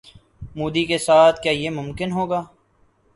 مودی کے ساتھ کیا یہ ممکن ہوگا؟